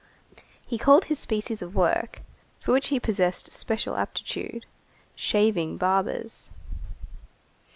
He called his species of work, for which he possessed special aptitude, "shaving barbers."